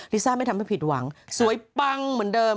ลิซ่าไม่ทำให้ผิดหวังสวยปังเหมือนเดิม